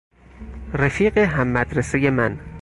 رفیق هم مدرسهی من